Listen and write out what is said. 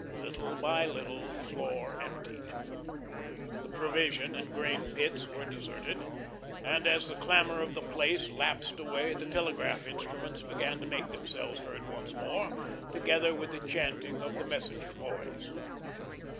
Little by little the floor emptied. The provision and grain pits were deserted, and as the clamour of the place lapsed away the telegraph instruments began to make themselves heard once more, together with the chanting of the messenger boys.